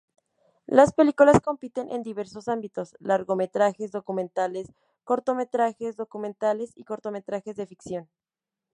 Las películas compiten en diversos ámbitos: largometrajes documentales, cortometrajes documentales y cortometrajes de ficción.